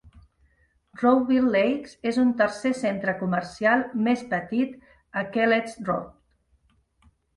Rowville Lakes és un tercer centre comercial més petit a Kelletts Road.